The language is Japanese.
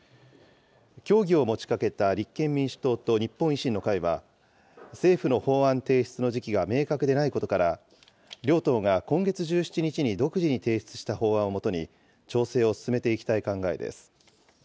協議を持ちかけた立憲民主党と日本維新の会は、政府の法案提出の時期が明確でないことから、両党が今月１７日に独自に提出した法案をもとに、調整を進めていきたい考えです。